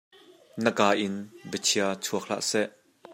Na ka in bia chia chuak hlah seh.